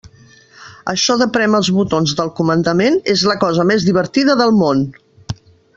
Això de prémer els botons del comandament és la cosa més divertida del món!